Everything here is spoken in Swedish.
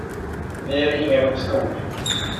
Vi ger inga uppskov.